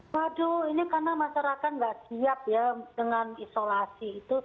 waduh ini karena masyarakat nggak siap ya dengan isolasi itu